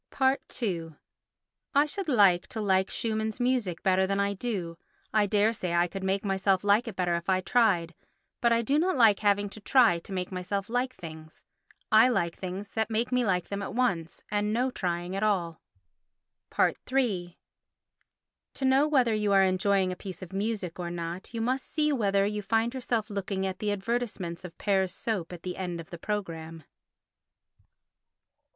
ii I should like to like Schumann's music better than I do; I dare say I could make myself like it better if I tried; but I do not like having to try to make myself like things; I like things that make me like them at once and no trying at all. iii To know whether you are enjoying a piece of music or not you must see whether you find yourself looking at the advertisements of Pear's soap at the end of the programme.